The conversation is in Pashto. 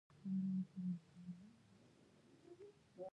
افغانستان د باران د اوبو د ساتنې قوانين لري.